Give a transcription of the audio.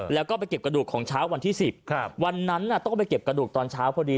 แล้วก็ไปเก็บกระดูกของเช้าวันที่๑๐วันนั้นต้องไปเก็บกระดูกตอนเช้าพอดี